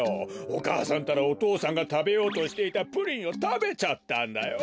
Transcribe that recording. お母さんったらお父さんがたべようとしていたプリンをたべちゃったんだよ。